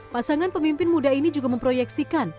pasangan pemimpin muda ini juga memproyeksikan